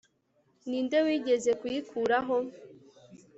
ni nde wigeze kuyikuraho